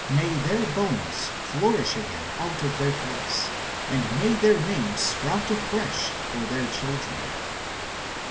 may their bones flourish again out of their place, and may their name sprout afresh for their children."